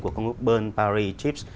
của công ước burn parry chips